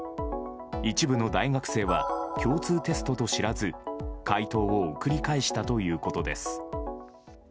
一部の大学生は共通テストと知らず解答を送り返したということです。